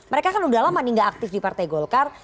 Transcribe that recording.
mereka kan udah lama nih gak aktif di partai golkar